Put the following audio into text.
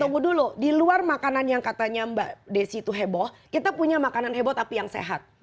tunggu dulu di luar makanan yang katanya mbak desi itu heboh kita punya makanan heboh tapi yang sehat